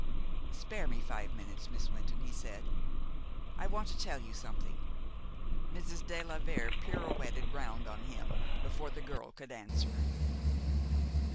"Spare me five minutes, Miss Wynton," he said. "I want to tell you something." Mrs. de la Vere pirouetted round on him before the girl could answer.